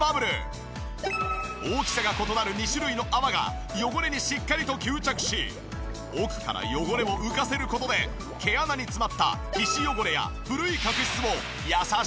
大きさが異なる２種類の泡が汚れにしっかりと吸着し奥から汚れを浮かせる事で毛穴に詰まった。